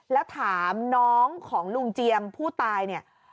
แล้วถามน้องของลุงเจียมผู้ตายเนี่ย